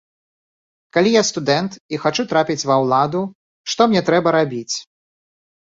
Калі я студэнт і хачу трапіць ва ўладу, што мне трэба рабіць?